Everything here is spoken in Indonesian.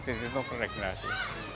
karena atlet itu ke regenerasi